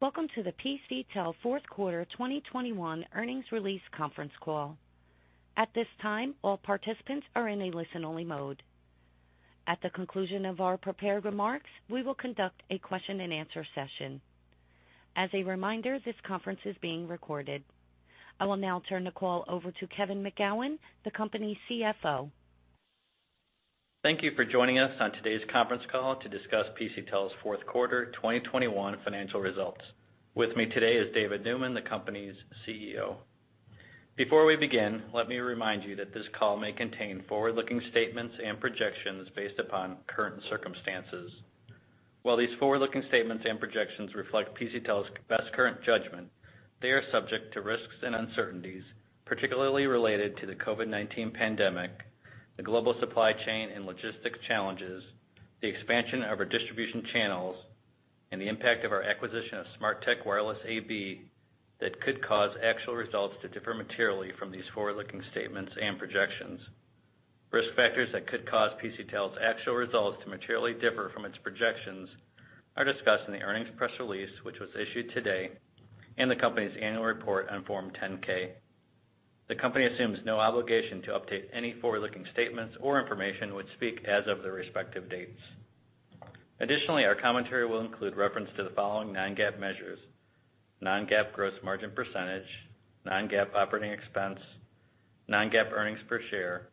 Welcome to the PCTEL Q4 2021 Earnings Release Conference Call. At this time, all participants are in a listen-only mode. At the conclusion of our prepared remarks, we will conduct a question-and -answer session. As a reminder, this conference is being recorded. I will now turn the call over to Kevin McGowan, the company's CFO. Thank you for joining us on today's conference call to discuss PCTEL's Q4 2021 Financial Results. With me today is David Neumann, the company's CEO. Before we begin, let me remind you that this call may contain forward-looking statements and projections based upon current circumstances. While these forward-looking statements and projections reflect PCTEL's best current judgment, they are subject to risks and uncertainties, particularly related to the COVID-19 pandemic, the global supply chain and logistics challenges, the expansion of our distribution channels, and the impact of our acquisition of Smarteq Wireless AB that could cause actual results to differ materially from these forward-looking statements and projections. Risk factors that could cause PCTEL's actual results to materially differ from its projections are discussed in the earnings press release, which was issued today, and the company's annual report on Form 10-K. The company assumes no obligation to update any forward-looking statements or information which speak as of their respective dates. Additionally, our commentary will include reference to the following non-GAAP measures, non-GAAP gross margin percentage, non-GAAP operating expense, non-GAAP earnings per share,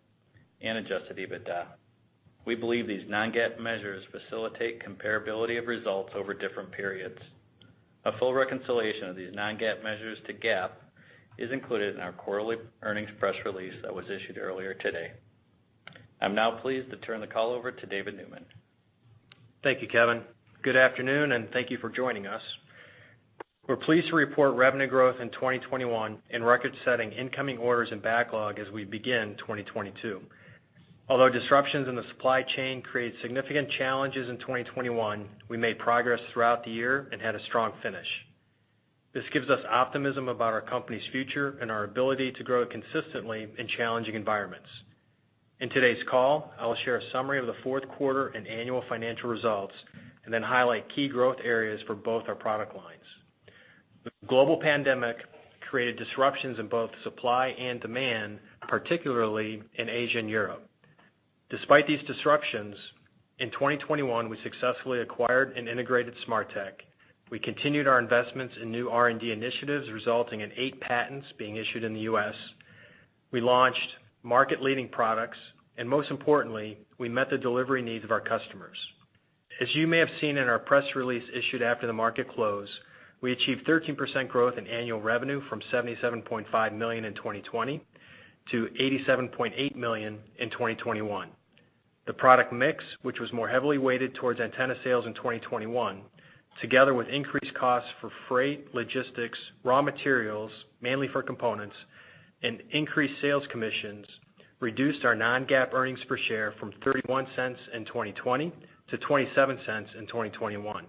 and adjusted EBITDA. We believe these non-GAAP measures facilitate comparability of results over different periods. A full reconciliation of these non-GAAP measures to GAAP is included in our quarterly earnings press release that was issued earlier today. I'm now pleased to turn the call over to David Neumann. Thank you, Kevin. Good afternoon, and thank you for joining us. We're pleased to report revenue growth in 2021 and record-setting incoming orders and backlog as we begin 2022. Although disruptions in the supply chain created significant challenges in 2021, we made progress throughout the year and had a strong finish. This gives us optimism about our company's future and our ability to grow consistently in challenging environments. In today's call, I will share a summary of the Q4 and annual financial results and then highlight key growth areas for both our product lines. The global pandemic created disruptions in both supply and demand, particularly in Asia and Europe. Despite these disruptions, in 2021, we successfully acquired and integrated Smarteq. We continued our investments in new R&D initiatives, resulting in eight patents being issued in the U.S. We launched market-leading products, and most importantly, we met the delivery needs of our customers. As you may have seen in our press release issued after the market close, we achieved 13% growth in annual revenue from $77.5 million in 2020 to $87.8 million in 2021. The product mix, which was more heavily weighted towards antenna sales in 2021, together with increased costs for freight, logistics, raw materials, mainly for components, and increased sales commissions, reduced our non-GAAP earnings per share from $0.31 in 2020 to $0.27 in 2021.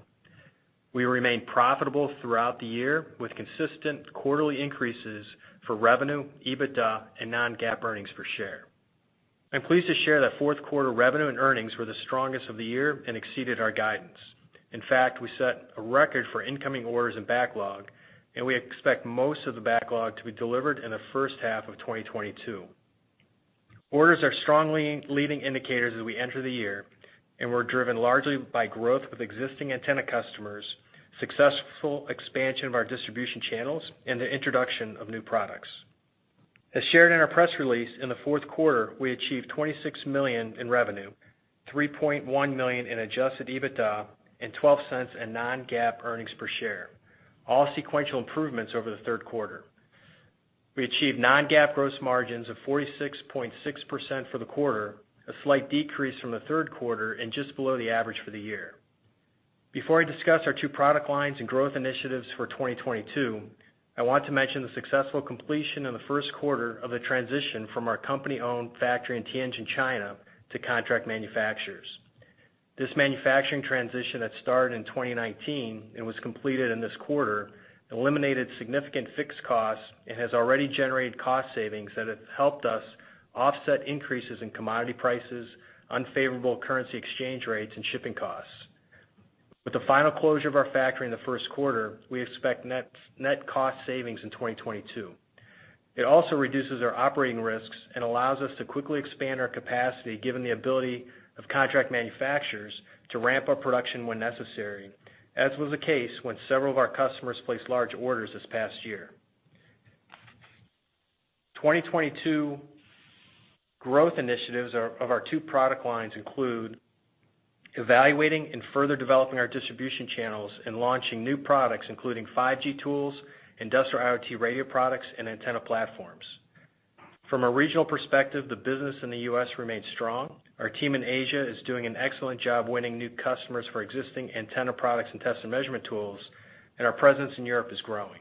We remained profitable throughout the year with consistent quarterly increases for revenue, EBITDA and non-GAAP earnings per share. I'm pleased to share that Q4 revenue and earnings were the strongest of the year and exceeded our guidance. In fact, we set a record for incoming orders and backlog, and we expect most of the backlog to be delivered in the first half of 2022. Orders are strongly leading indicators as we enter the year, and we're driven largely by growth of existing antenna customers, successful expansion of our distribution channels, and the introduction of new products. As shared in our press release, in the Q4, we achieved $26 million in revenue, $3.1 million in adjusted EBITDA, and $0.12 in non-GAAP earnings per share, all sequential improvements over the Q3. We achieved non-GAAP gross margins of 46.6% for the quarter, a slight decrease from the Q3, and just below the average for the year. Before I discuss our two product lines and growth initiatives for 2022, I want to mention the successful completion in the Q1 of the transition from our company-owned factory in Tianjin, China, to contract manufacturers. This manufacturing transition that started in 2019 and was completed in this quarter eliminated significant fixed costs and has already generated cost savings that have helped us offset increases in commodity prices, unfavorable currency exchange rates, and shipping costs. With the final closure of our factory in the Q1, we expect net cost savings in 2022. It also reduces our operating risks and allows us to quickly expand our capacity given the ability of contract manufacturers to ramp up production when necessary, as was the case when several of our customers placed large orders this past year. 2022 growth initiatives of our two product lines include evaluating and further developing our distribution channels and launching new products, including 5G tools, Industrial IoT radio products, and antenna platforms. From a regional perspective, the business in the U.S. remains strong. Our team in Asia is doing an excellent job winning new customers for existing antenna products and test and measurement tools, and our presence in Europe is growing.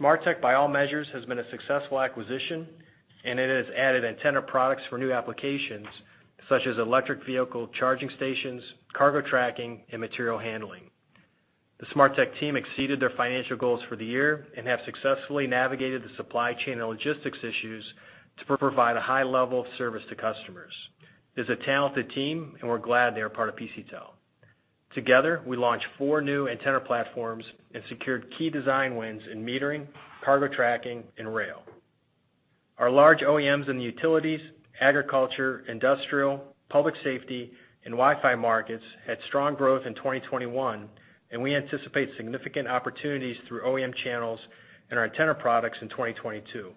Smarteq, by all measures, has been a successful acquisition, and it has added antenna products for new applications such as electric vehicle charging stations, cargo tracking, and material handling. The Smarteq team exceeded their financial goals for the year and have successfully navigated the supply chain and logistics issues to provide a high level of service to customers. It's a talented team, and we're glad they are part of PCTEL. Together, we launched four new antenna platforms and secured key design wins in metering, cargo tracking, and rail. Our large OEMs in the utilities, agriculture, industrial, public safety, and Wi-Fi markets had strong growth in 2021, and we anticipate significant opportunities through OEM channels and our antenna products in 2022.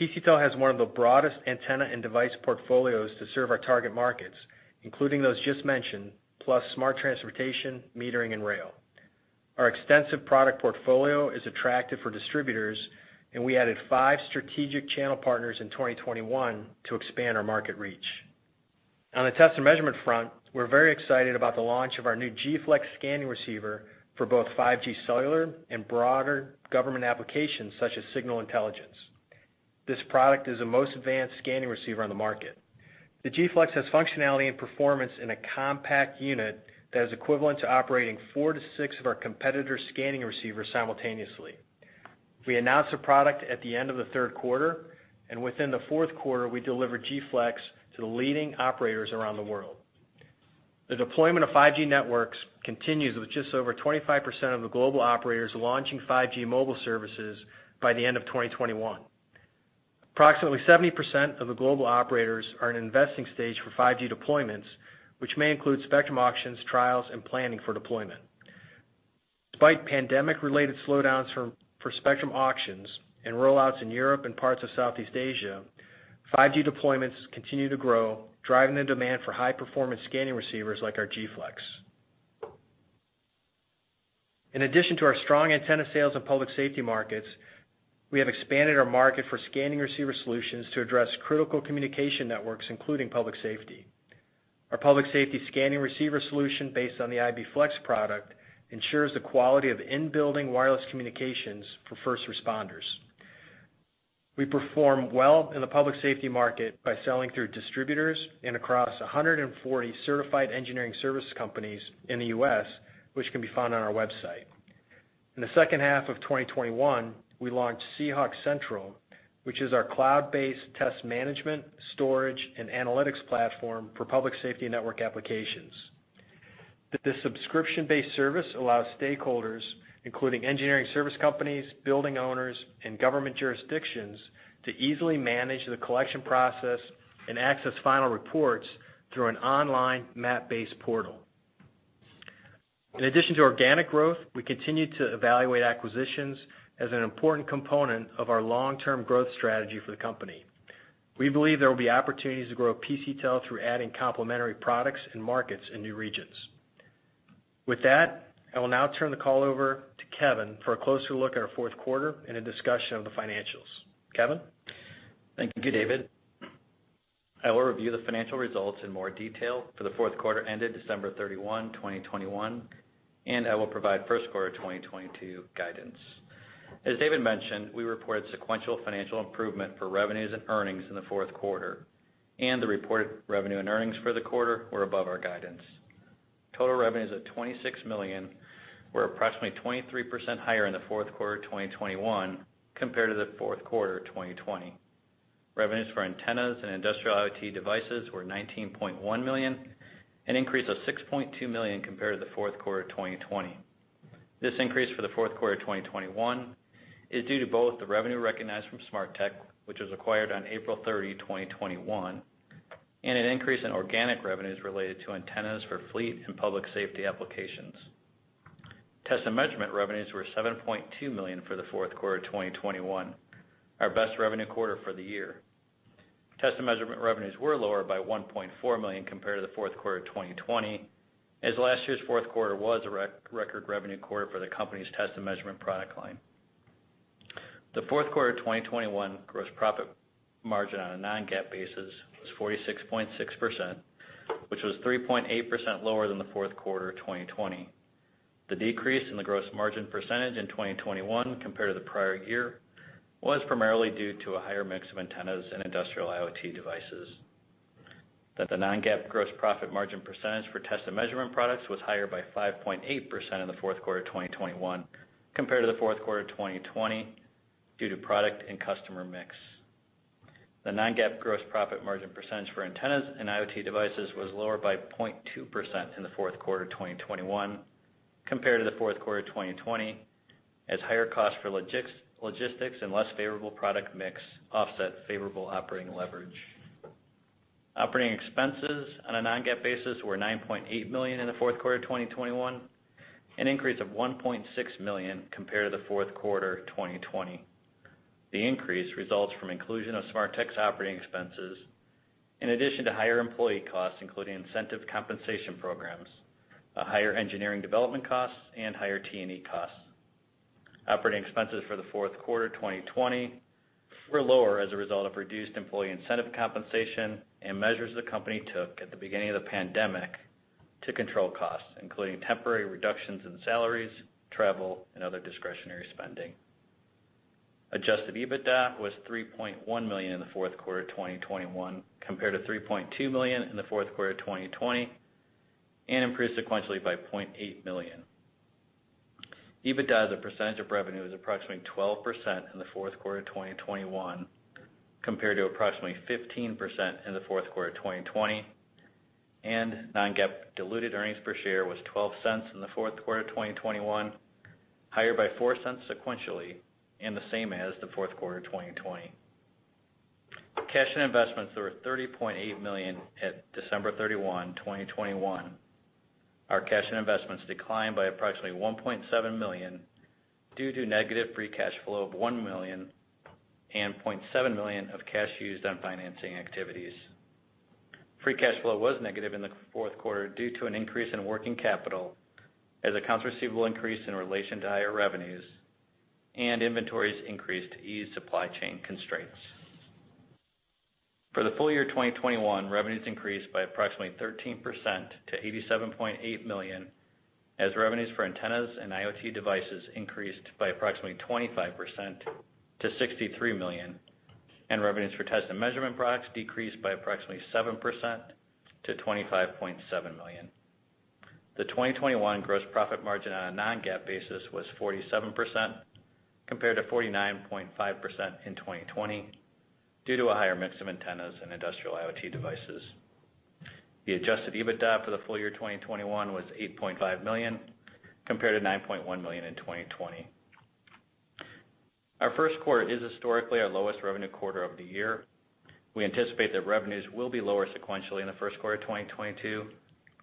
PCTEL has one of the broadest antenna and device portfolios to serve our target markets, including those just mentioned, plus smart transportation, metering, and rail. Our extensive product portfolio is attractive for distributors, and we added five strategic channel partners in 2021 to expand our market reach. On the test and measurement front, we're very excited about the launch of our new Gflex scanning receiver for both 5G cellular and broader government applications such as signal intelligence. This product is the most advanced scanning receiver on the market. The Gflex has functionality and performance in a compact unit that is equivalent to operating 4-6 of our competitors' scanning receivers simultaneously. We announced the product at the end of the Q3, and within the Q4, we delivered Gflex to the leading operators around the world. The deployment of 5G networks continues with just over 25% of the global operators launching 5G mobile services by the end of 2021. Approximately 70% of the global operators are in investing stage for 5G deployments, which may include spectrum auctions, trials, and planning for deployment. Despite pandemic-related slowdowns for spectrum auctions and rollouts in Europe and parts of Southeast Asia, 5G deployments continue to grow, driving the demand for high-performance scanning receivers like our Gflex. In addition to our strong antenna sales in public safety markets, we have expanded our market for scanning receiver solutions to address critical communication networks, including public safety. Our public safety scanning receiver solution based on the IBflex product ensures the quality of in-building wireless communications for first responders. We perform well in the public safety market by selling through distributors and across 140 certified engineering service companies in the U.S., which can be found on our website. In the second half of 2021, we launched SeeHawk Central, which is our cloud-based test management, storage, and analytics platform for public safety network applications. The subscription-based service allows stakeholders, including engineering service companies, building owners, and government jurisdictions to easily manage the collection process and access final reports through an online map-based portal. In addition to organic growth, we continue to evaluate acquisitions as an important component of our long-term growth strategy for the company. We believe there will be opportunities to grow PCTEL through adding complementary products and markets in new regions. With that, I will now turn the call over to Kevin for a closer look at our Q4 and a discussion of the financials. Kevin? Thank you, David. I will review the financial results in more detail for the Q4 ended December 31, 2021, and I will provide Q1 of 2022 guidance. As David mentioned, we reported sequential financial improvement for revenues and earnings in the Q4, and the reported revenue and earnings for the quarter were above our guidance. Total revenues at $26 million were approximately 23% higher in the Q4 of 2021 compared to the Q4 of 2020. Revenues for antennas and Industrial IoT devices were $19.1 million, an increase of $6.2 million compared to the Q4 of 2020. This increase for the Q4 of 2021 is due to both the revenue recognized from Smarteq, which was acquired on April 30, 2021, and an increase in organic revenues related to antennas for fleet and public safety applications. Test and measurement revenues were $7.2 million for the Q4 of 2021, our best revenue quarter for the year. Test and measurement revenues were lower by $1.4 million compared to the Q4 of 2020, as last year's Q4 was a record revenue quarter for the company's test and measurement product line. The Q4 of 2021 gross profit margin on a non-GAAP basis was 46.6%, which was 3.8% lower than the Q4 of 2020. The decrease in the gross margin percentage in 2021 compared to the prior year was primarily due to a higher mix of antennas and Industrial IoT devices. The non-GAAP gross profit margin percentage for test and measurement products was higher by 5.8% in the Q4 of 2021 compared to the Q4 of 2020 due to product and customer mix. The non-GAAP gross profit margin percentage for antennas and IoT devices was lower by 0.2% in the Q4 of 2021 compared to the Q4 of 2020 as higher costs for logistics and less favorable product mix offset favorable operating leverage. Operating expenses on a non-GAAP basis were $9.8 million in the Q4 of 2021, an increase of $1.6 million compared to the Q4 of 2020. The increase results from inclusion of Smarteq's operating expenses in addition to higher employee costs, including incentive compensation programs, higher engineering development costs, and higher T&E costs. Operating expenses for the Q4 of 2020 were lower as a result of reduced employee incentive compensation and measures the company took at the beginning of the pandemic to control costs, including temporary reductions in salaries, travel, and other discretionary spending. Adjusted EBITDA was $3.1 million in the Q4 of 2021 compared to $3.2 million in the Q4 of 2020, and improved sequentially by $0.8 million. EBITDA as a percentage of revenue is approximately 12% in the Q4 of 2021, compared to approximately 15% in the Q4 of 2020. And non-GAAP diluted earnings per share was $0.12 in the Q4 of 2021, higher by $0.04 sequentially and the same as the Q4 of 2020. Cash and investments were $30.8 million at December 31, 2021. Our cash and investments declined by approximately $1.7 million due to negative free cash flow of $1 million and $0.7 million of cash used on financing activities. Free cash flow was negative in the Q4 due to an increase in working capital as accounts receivable increased in relation to higher revenues and inventories increased to ease supply chain constraints. For the full year 2021, revenues increased by approximately 13% to $87.8 million, as revenues for antennas and IoT devices increased by approximately 25% to $63 million, and revenues for test and measurement products decreased by approximately 7% to $25.7 million. The 2021 gross profit margin on a non-GAAP basis was 47% compared to 49.5% in 2020 due to a higher mix of antennas and Industrial IoT devices. The adjusted EBITDA for the full year 2021 was $8.5 million, compared to $9.1 million in 2020. Our Q1 is historically our lowest revenue quarter of the year. We anticipate that revenues will be lower sequentially in the Q1 of 2022,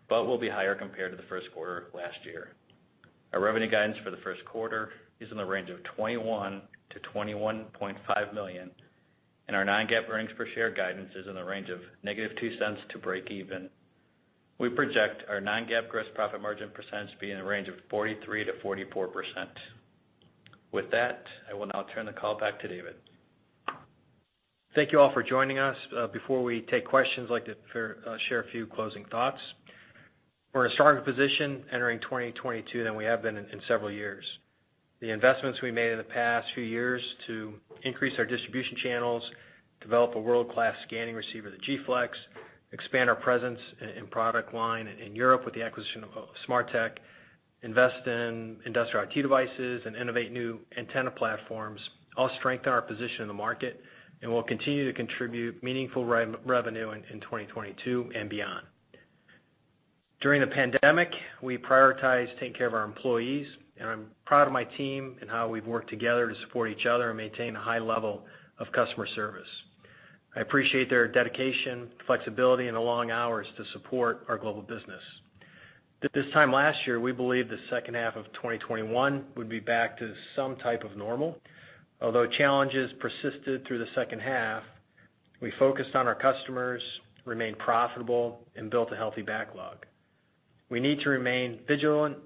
but will be higher compared to the Q1 of last year. Our revenue guidance for the Q1 is in the range of $21 million-$21.5 million, and our non-GAAP earnings per share guidance is in the range of -$0.02 to breakeven. We project our non-GAAP gross profit margin to be in the range of 43%-44%. With that, I will now turn the call back to David. Thank you all for joining us. Before we take questions, I'd like to share a few closing thoughts. We're in a stronger position entering 2022 than we have been in several years. The investments we made in the past few years to increase our distribution channels, develop a world-class scanning receiver, the Gflex, expand our presence and product line in Europe with the acquisition of Smarteq, invest in industrial IoT devices, and innovate new antenna platforms, all strengthen our position in the market and will continue to contribute meaningful revenue in 2022 and beyond. During the pandemic, we prioritized taking care of our employees, and I'm proud of my team and how we've worked together to support each other and maintain a high level of customer service. I appreciate their dedication, flexibility, and the long hours to support our global business. At this time last year, we believed the second half of 2021 would be back to some type of normal. Although challenges persisted through the second half, we focused on our customers, remained profitable, and built a healthy backlog. We need to remain vigilant,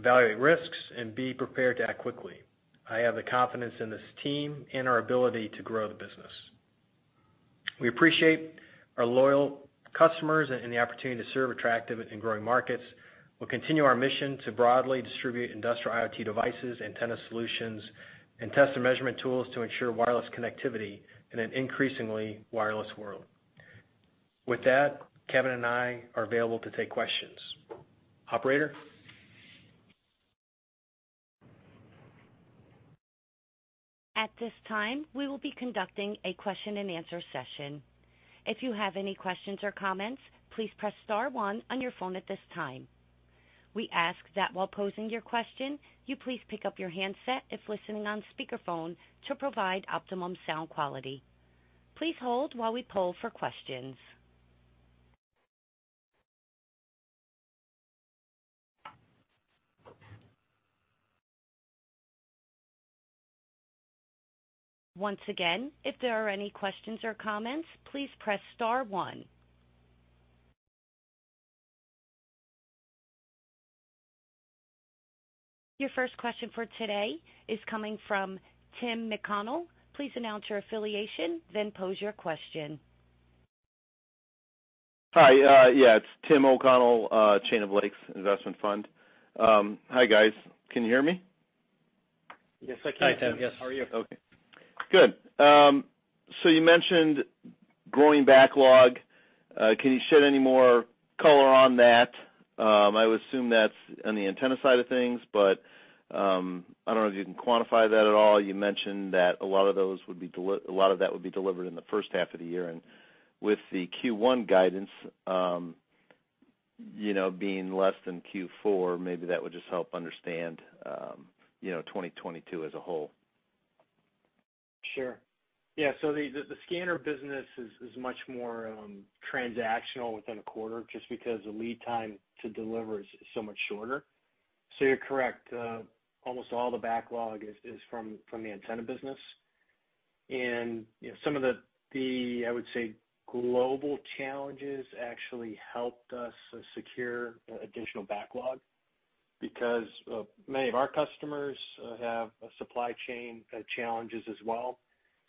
evaluate risks, and be prepared to act quickly. I have the confidence in this team and our ability to grow the business. We appreciate our loyal customers and the opportunity to serve attractive and growing markets. We'll continue our mission to broadly distribute Industrial IoT devices, antenna solutions, and test and measurement tools to ensure wireless connectivity in an increasingly wireless world. With that, Kevin and I are available to take questions. Operator? At this time, we will be conducting a question-and-answer session. If you have any questions or comments, please press Star 1 on your phone at this time. We ask that while posing your question, you please pick up your handset if listening on speakerphone to provide optimum sound quality. Please hold while we poll for questions. Once again, if there are any questions or comments, please press star one. Your first question for today is coming from Tim O'Connell. Please announce your affiliation, then pose your question. Hi, yeah, it's Tim O'Connell, Chain of Lakes Investment Fund. Hi, guys. Can you hear me? Yes, I can. Hi, Tim. Yes. How are you? Okay. Good. You mentioned growing backlog. Can you shed any more color on that? I would assume that's on the antenna side of things, but I don't know if you can quantify that at all. You mentioned that a lot of that would be delivered in the first half of the year. With the Q1 guidance, you know, being less than Q4, maybe that would just help understand, you know, 2022 as a whole. Sure. Yeah. The scanner business is much more transactional within a quarter just because the lead time to deliver is so much shorter. You're correct, almost all the backlog is from the antenna business. You know, some of the, I would say, global challenges actually helped us secure additional backlog because many of our customers have supply chain challenges as well,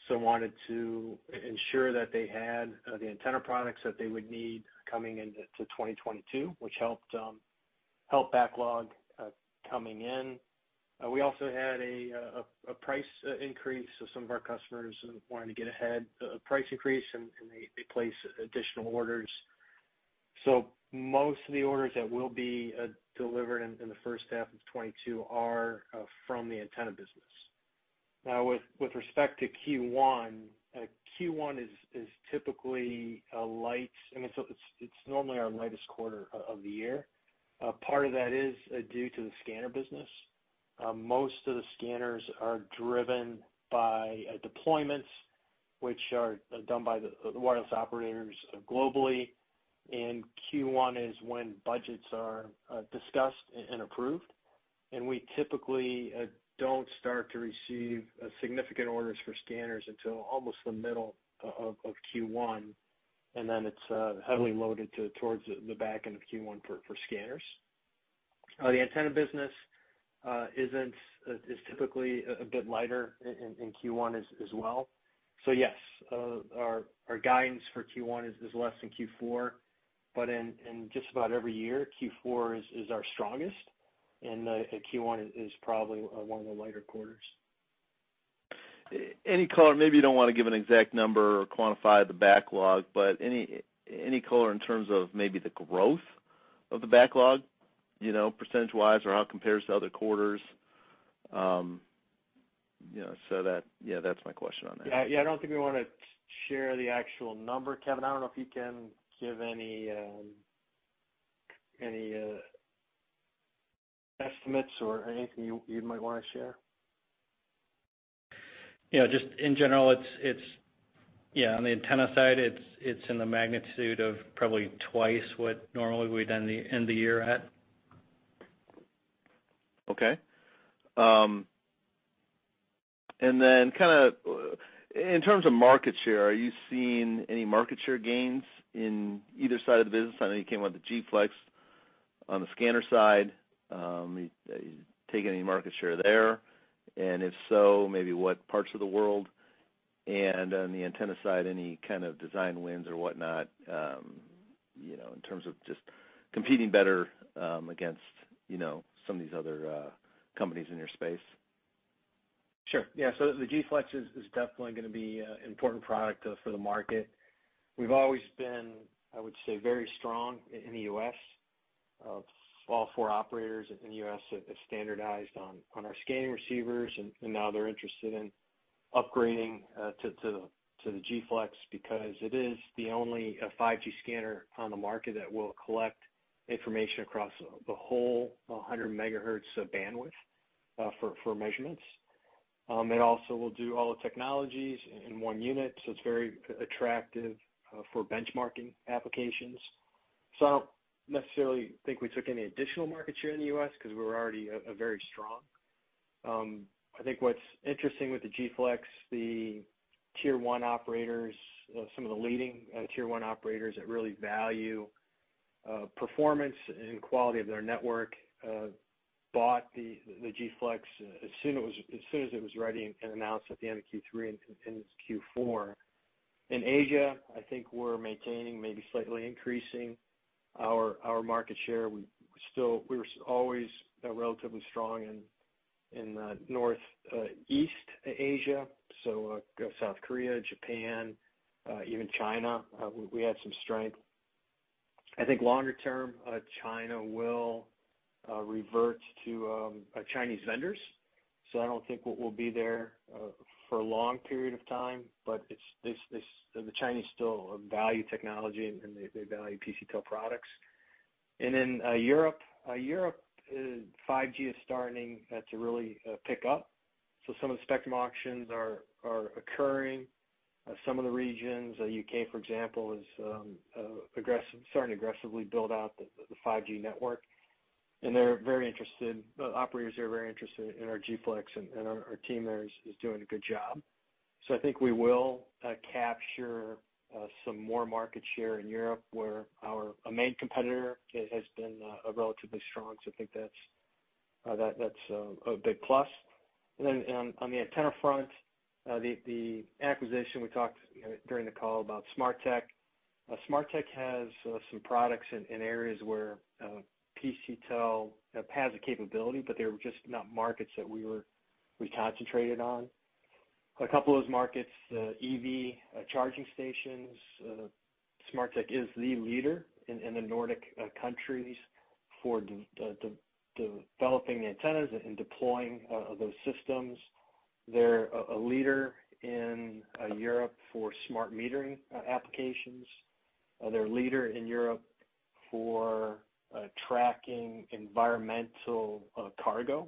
so wanted to ensure that they had the antenna products that they would need coming into 2022, which helped backlog coming in. We also had a price increase. Some of our customers wanting to get ahead, price increase, and they placed additional orders. Most of the orders that will be delivered in the first half of 2022 are from the antenna business. With respect to Q1, it is typically our lightest quarter of the year. Part of that is due to the scanner business. Most of the scanners are driven by deployments which are done by the wireless operators globally. Q1 is when budgets are discussed and approved. We typically don't start to receive significant orders for scanners until almost the middle of Q1, and then it is heavily loaded towards the back end of Q1 for scanners. The antenna business is typically a bit lighter in Q1 as well. Yes, our guidance for Q1 is less than Q4, but in just about every year, Q4 is our strongest and Q1 is probably one of the lighter quarters. Any color, maybe you don't wanna give an exact number or quantify the backlog, but any color in terms of maybe the growth of the backlog, you know, percentage-wise, or how it compares to other quarters? You know, so that, yeah, that's my question on that. Yeah, yeah, I don't think we wanna share the actual number. Kevin, I don't know if you can give any estimates or anything you might wanna share. You know, just in general, it's yeah, on the antenna side, it's in the magnitude of probably twice what normally we'd end the year at. Okay. Kinda in terms of market share, are you seeing any market share gains in either side of the business? I know you came out with the Gflex on the scanner side. You take any market share there, and if so, maybe what parts of the world? On the antenna side, any kind of design wins or whatnot, you know, in terms of just competing better, against, you know, some of these other companies in your space? Sure. Yeah. The Gflex is definitely gonna be an important product for the market. We've always been, I would say, very strong in the U.S. All four operators in the U.S. have standardized on our scanning receivers and now they're interested in upgrading to the Gflex because it is the only 5G scanner on the market that will collect information across the whole 100 megahertz of bandwidth for measurements. It also will do all the technologies in one unit, so it's very attractive for benchmarking applications. I don't necessarily think we took any additional market share in the U.S. 'cause we're already very strong. I think what's interesting with the Gflex, the tier one operators, some of the leading tier one operators that really value performance and quality of their network, bought the Gflex as soon as it was ready and announced at the end of Q3 and into Q4. In Asia, I think we're maintaining, maybe slightly increasing our market share. We were always relatively strong in Northeast Asia. South Korea, Japan, even China, we had some strength. I think longer term, China will revert to Chinese vendors. I don't think we'll be there for a long period of time. The Chinese still value technology and they value PCTEL products. In Europe, 5G is starting to really pick up. Some of the spectrum auctions are occurring. Some of the regions, U.K. for example, is starting to aggressively build out the 5G network. They're very interested, operators there are very interested in our Gflex and our team there is doing a good job. I think we will capture some more market share in Europe where our main competitor has been relatively strong. I think that's a big plus. Then on the antenna front, the acquisition we talked during the call about Smarteq. Smarteq has some products in areas where PCTEL has the capability, but they were just not markets that we concentrated on. A couple of those markets, EV charging stations, Smarteq is the leader in the Nordic countries for developing the antennas and deploying those systems. They're a leader in Europe for smart metering applications. They're a leader in Europe for tracking environmental cargo.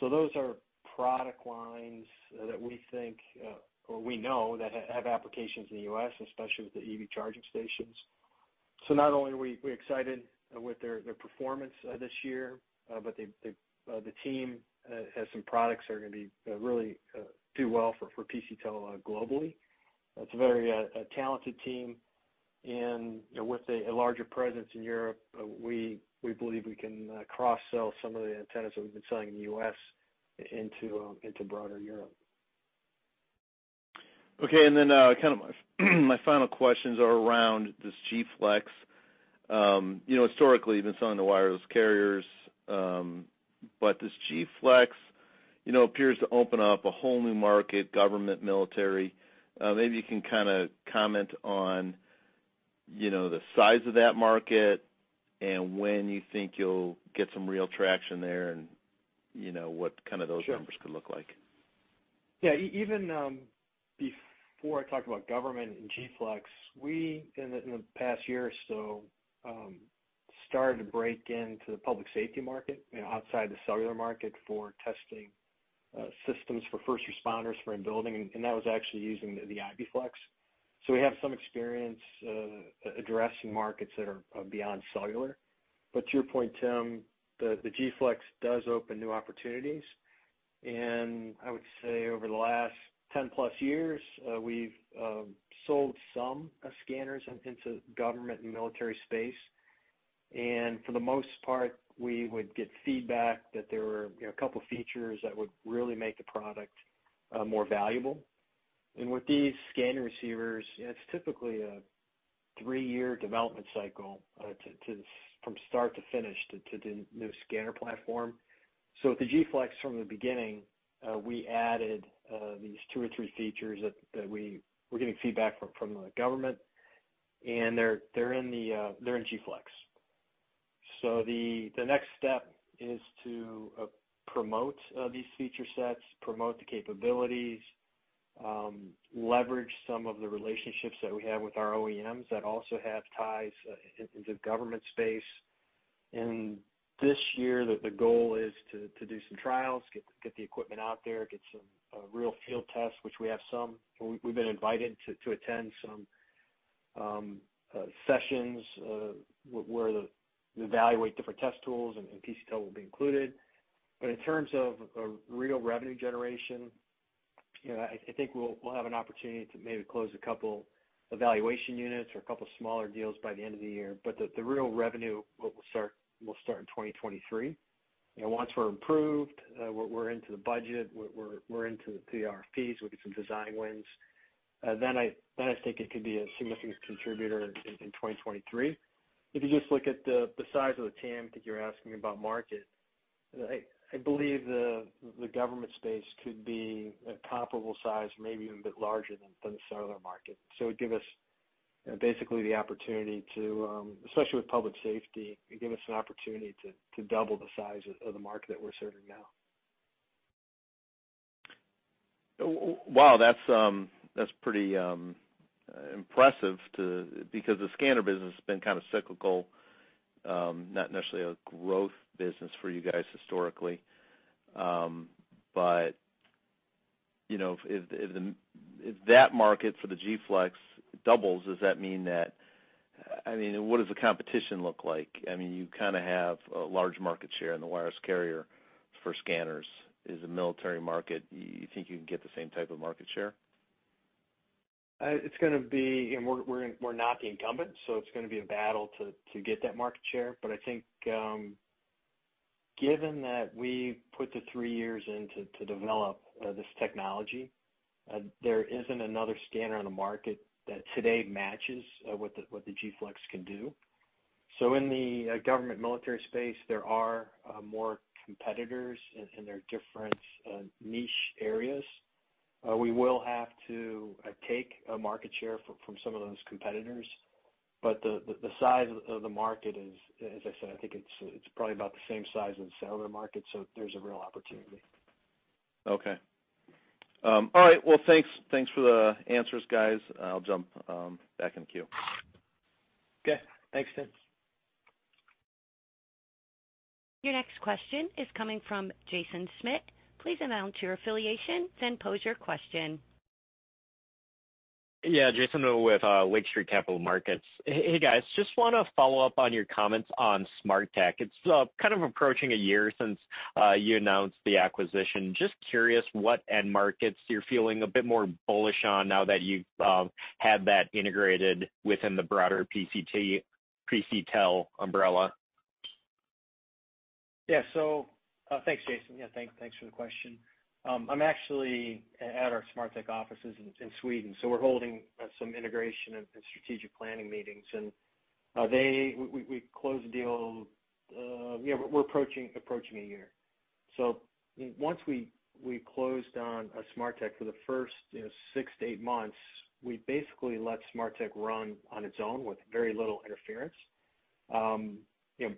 Those are product lines that we think or we know that have applications in the U.S., especially with the EV charging stations. Not only are we excited with their performance this year, but the team has some products that are gonna be really do well for PCTEL globally. It's a very talented team and, you know, with a larger presence in Europe, we believe we can cross-sell some of the antennas that we've been selling in the U.S. into broader Europe. Okay. Kind of my final questions are around this Gflex. You know, historically, you've been selling to wireless carriers, but this Gflex. You know, appears to open up a whole new market, government, military. Maybe you can kinda comment on, you know, the size of that market and when you think you'll get some real traction there and, you know, what kinda those numbers could look like. Yeah. Even before I talked about government and Gflex, we in the past year or so started to break into the public safety market, you know, outside the cellular market for testing systems for first responders for in-building, and that was actually using the IBflex. We have some experience addressing markets that are beyond cellular. To your point, Tim, the Gflex does open new opportunities. I would say over the last 10+ years, we've sold some scanners into government and military space. For the most part, we would get feedback that there were, you know, a couple features that would really make the product more valuable. With these scanner receivers, it's typically a three-year development cycle to from start to finish to the new scanner platform. With the Gflex from the beginning, we added these two or three features that we were getting feedback from the government, and they're in Gflex. The next step is to promote these feature sets, promote the capabilities, leverage some of the relationships that we have with our OEMs that also have ties in the government space. This year the goal is to do some trials, get the equipment out there, get some real field tests, which we have some. We've been invited to attend some sessions where they evaluate different test tools and PCTEL will be included. In terms of real revenue generation, you know, I think we'll have an opportunity to maybe close a couple evaluation units or a couple smaller deals by the end of the year. The real revenue will start in 2023. You know, once we're approved, we're into the budget, we're into the RFPs, we get some design wins, then I think it could be a significant contributor in 2023. If you just look at the size of the TAM that you're asking about the market, I believe the government space could be a comparable size, maybe even a bit larger than the cellular market. It'd give us, basically the opportunity to, especially with public safety, it'd give us an opportunity to double the size of the market that we're serving now. Wow, that's pretty impressive because the scanner business has been kinda cyclical, not necessarily a growth business for you guys historically. You know, if that market for the Gflex doubles, I mean, what does the competition look like? I mean, you kinda have a large market share in the wireless carrier for scanners. Is the military market, you think, you can get the same type of market share? It's gonna be a battle to get that market share. We're not the incumbent. I think, given that we put the three years in to develop this technology, there isn't another scanner on the market that today matches what the Gflex can do. In the government military space, there are more competitors and there are different niche areas. We will have to take market share from some of those competitors. The size of the market is, as I said, I think it's probably about the same size of the cellular market, so there's a real opportunity. Okay. All right. Well, thanks for the answers, guys. I'll jump back in queue. Okay. Thanks, Tim. Your next question is coming from Jaeson Schmidt. Please announce your affiliation, then pose your question. Yeah, Jaeson with Lake Street Capital Markets. Hey, guys, just wanna follow up on your comments on Smarteq. It's kind of approaching a year since you announced the acquisition. Just curious what end markets you're feeling a bit more bullish on now that you've had that integrated within the broader PCTEL umbrella. Thanks, Jaeson. Thanks for the question. I'm actually at our Smarteq offices in Sweden, so we're holding some integration and strategic planning meetings. We closed the deal, we're approaching a year. Once we closed on Smarteq for the first, you know, 6-8 months, we basically let Smarteq run on its own with very little interference. You know,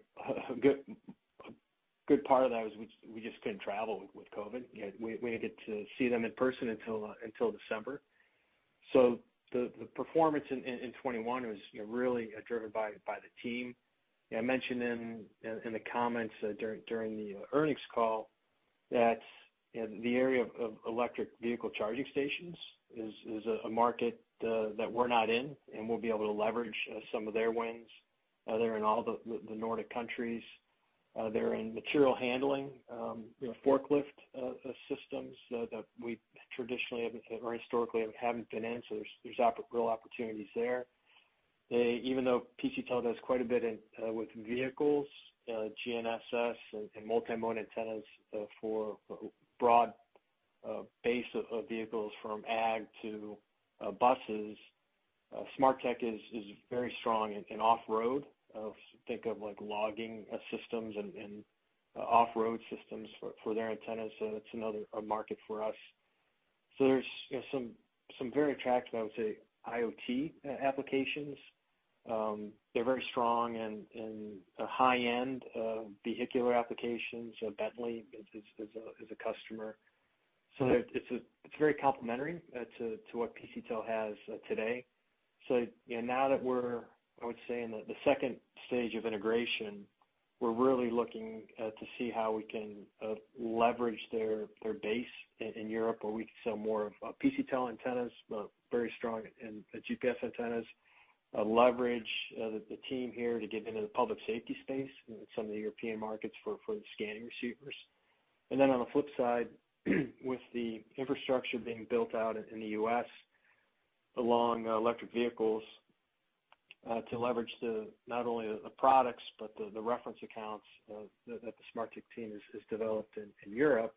a good part of that was we just couldn't travel with COVID. We didn't get to see them in person until December. The performance in 2021 was, you know, really driven by the team. I mentioned in the comments during the earnings call that, you know, the area of electric vehicle charging stations is a market that we're not in, and we'll be able to leverage some of their wins. They're in all the Nordic countries. They're in material handling, you know, forklift systems that we traditionally or historically haven't been in, so there's real opportunities there. Even though PCTEL does quite a bit in with vehicles, GNSS and multi-mode antennas for broad base of vehicles from ag to buses. Smarteq is very strong in off-road. Think of like logging systems and off-road systems for their antennas, so that's another market for us. There's, you know, some very attractive, I would say, IoT applications. They're very strong in the high-end vehicular applications. Bentley is a customer. It's very complementary to what PCTEL has today. You know, now that we're, I would say, in the second stage of integration, we're really looking to see how we can leverage their base in Europe, where we can sell more of PCTEL antennas, very strong in the GPS antennas. Leverage the team here to get into the public safety space in some of the European markets for the scanning receivers. On the flip side, with the infrastructure being built out in the U.S. along electric vehicles, to leverage not only the products, but the reference accounts that the Smarteq team has developed in Europe,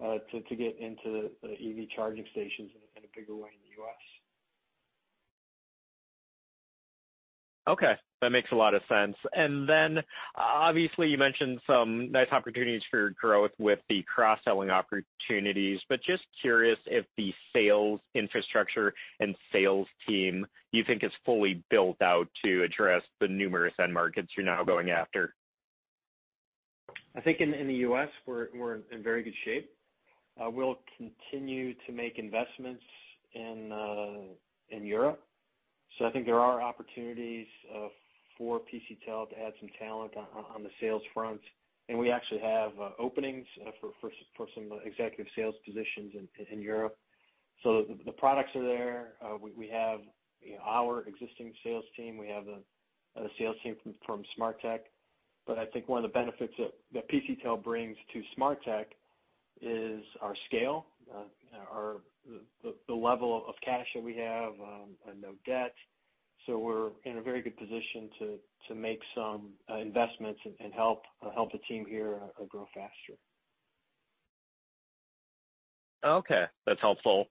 to get into the EV charging stations in a bigger way in the U.S. Okay, that makes a lot of sense. Obviously, you mentioned some nice opportunities for growth with the cross-selling opportunities, but just curious if the sales infrastructure and sales team you think is fully built out to address the numerous end markets you're now going after? I think in the U.S. we're in very good shape. We'll continue to make investments in Europe. I think there are opportunities for PCTEL to add some talent on the sales front. We actually have openings for some executive sales positions in Europe. The products are there. We have our existing sales team. We have the sales team from Smarteq. I think one of the benefits that PCTEL brings to Smarteq is our scale, the level of cash that we have, and no debt. We're in a very good position to make some investments and help the team here grow faster. Okay, that's helpful.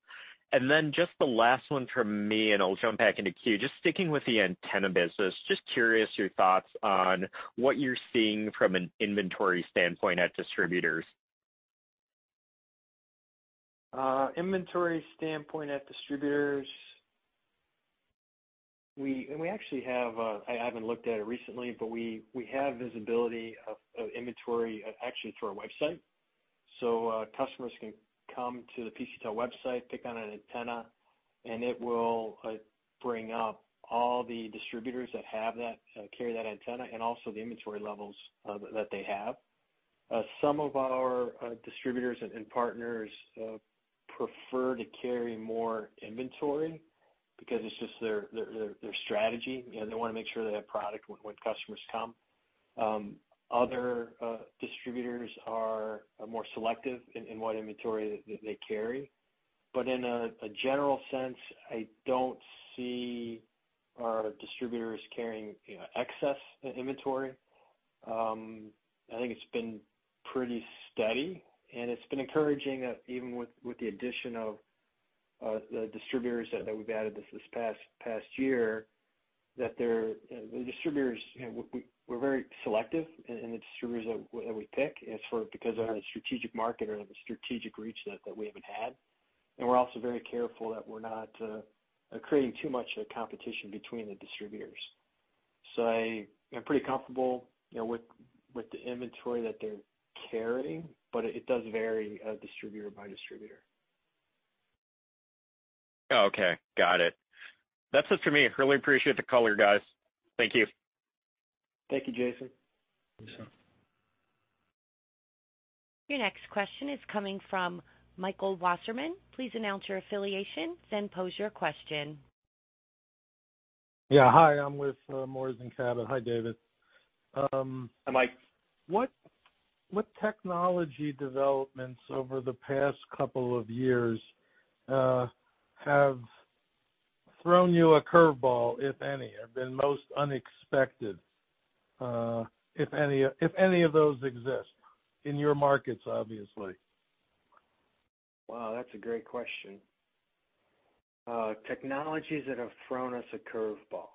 Just the last one from me, and I'll jump back into queue. Just sticking with the antenna business, just curious your thoughts on what you're seeing from an inventory standpoint at distributors. From an inventory standpoint at distributors. We actually have, I haven't looked at it recently, but we have visibility of inventory actually through our website. Customers can come to the PCTEL website, pick out an antenna, and it will bring up all the distributors that have that carry that antenna and also the inventory levels that they have. Some of our distributors and partners prefer to carry more inventory because it's just their strategy. You know, they wanna make sure they have product when customers come. Other distributors are more selective in what inventory they carry. In a general sense, I don't see our distributors carrying, you know, excess inventory. I think it's been pretty steady, and it's been encouraging that even with the addition of the distributors that we've added this past year, that they're, you know, the distributors, you know, we're very selective in the distributors that we pick because they're in a strategic market or have a strategic reach that we haven't had. We're also very careful that we're not creating too much competition between the distributors. I'm pretty comfortable, you know, with the inventory that they're carrying, but it does vary distributor by distributor. Okay, got it. That's it for me. Really appreciate the color, guys. Thank you. Thank you, Jaeson. Your next question is coming from Michael Wasserman. Please announce your affiliation, then pose your question. Yeah, hi, I'm with Moors & Cabot. Hi, David. Hi, Michael. What technology developments over the past couple of years have thrown you a curveball, if any, or been most unexpected, if any, if any of those exist in your markets, obviously? Wow, that's a great question. Technologies that have thrown us a curveball.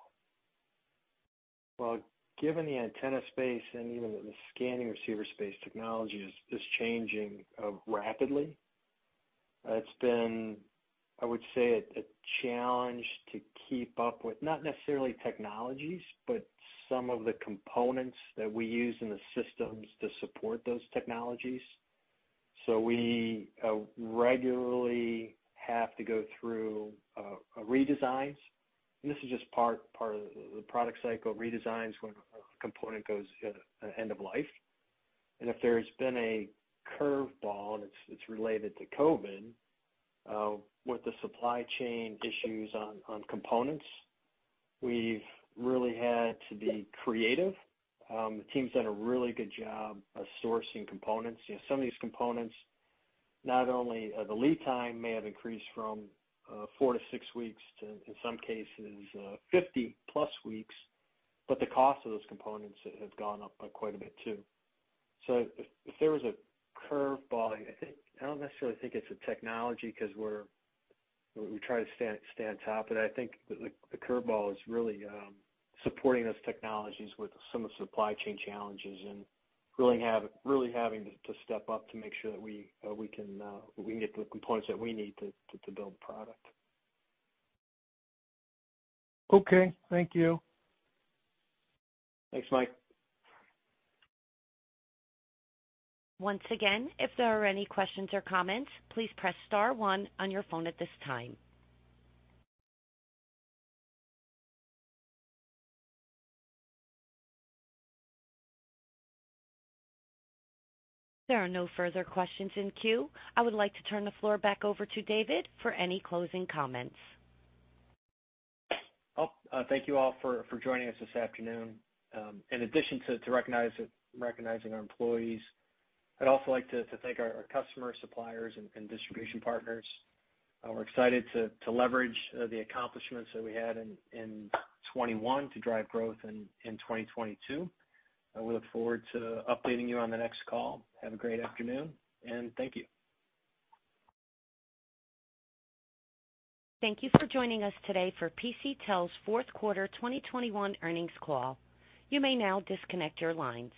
Well, given the antenna space and even the scanning receiver space, technology is changing rapidly. It's been, I would say, a challenge to keep up with, not necessarily technologies, but some of the components that we use in the systems to support those technologies. We regularly have to go through redesigns. This is just part of the product cycle redesigns when a component goes to end of life. If there's been a curveball and it's related to COVID with the supply chain issues on components, we've really had to be creative. The team's done a really good job of sourcing components. You know, some of these components, not only the lead time may have increased from 4 to 6 weeks to, in some cases, 50-plus weeks, but the cost of those components have gone up quite a bit too. If there was a curveball, I don't necessarily think it's a technology 'cause we try to stay on top of it. I think the curveball is really supporting those technologies with some of the supply chain challenges and really having to step up to make sure that we can get the components that we need to build product. Okay, thank you. Thanks, Michael. Once again, if there are any questions or comments, please press Star 1 on your phone at this time. There are no further questions in queue. I would like to turn the floor back over to David for any closing comments. Thank you all for joining us this afternoon. In addition to recognizing our employees, I'd also like to thank our customers, suppliers and distribution partners. We're excited to leverage the accomplishments that we had in 2021 to drive growth in 2022. We look forward to updating you on the next call. Have a great afternoon, and thank you. Thank you for joining us today for PCTEL's Q4 2021 earnings call. You may now disconnect your lines.